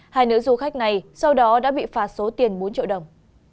hai nữ du khách này sau đó đã bị phạt số tiền bốn triệu đồng